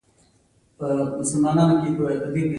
هغه په ډېر لږ عايد خپل کاروبار پيل کړ.